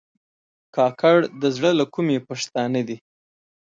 کاکړ د زړه له کومي پښتانه دي.